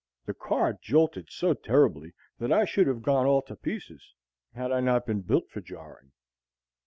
The car jolted so terribly that I should have gone all to pieces had I not been built for jarring.